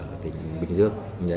ở tỉnh bình dương